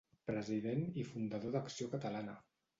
President i fundador d'Acció Catalana.